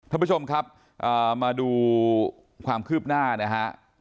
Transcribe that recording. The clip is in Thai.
ท่านผู้ชมครับมาดูความคืบหน้านะฮะ